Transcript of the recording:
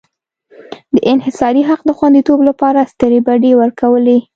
د انحصاري حق د خوندیتوب لپاره سترې بډې ورکولې.